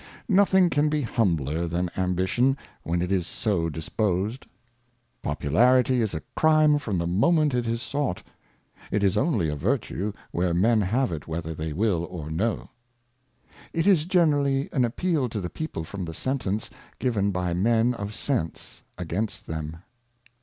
Nothing can be humbler than Ambition, when it is so disposed. Popularity is a Crime from the Moment it is sought ; it is only a Virtue where Men have it whether they will or no. It is generally an Appeal to the People from the Sentence given by Men of Sense against them.